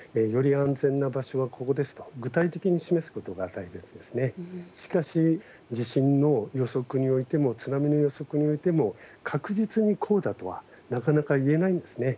特にしかし地震の予測においても津波の予測においても確実にこうだとはなかなか言えないんですね。